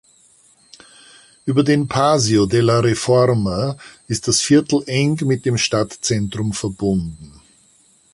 Über den Paseo de la Reforma ist das Viertel eng mit dem Stadtzentrum verbunden.